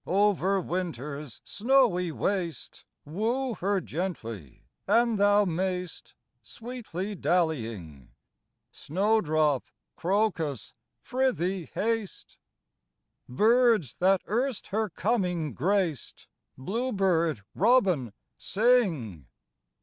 Over winter's snowy waste Woo her gently, an' thou mayst, Sweetly dallying ; Snowdrop, crocus, prythee haste ! Birds that erst her coming graced, Bluebird, robin, sing